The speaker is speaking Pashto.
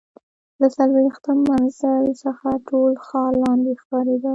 له څلوېښتم منزل څخه ټول ښار لاندې ښکارېده.